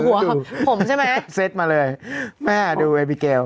ผมใช่ไหมเซ็ตมาเลยแม่ดูเอบิเกล